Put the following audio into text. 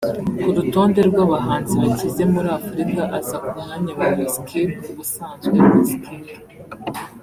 Ku rutondo rw’abahanzi bakize muri Afurika aza ku mwanya wa Wizkid Ubusanzwe Wizkid